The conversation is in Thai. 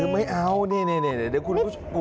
ไม่เอานี่เดี๋ยวคุณก็ต้องลองดู